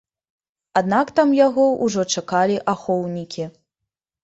Аднак там яго ўжо чакалі ахоўнікі.